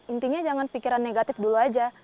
intinya jangan pikiran negatif dulu aja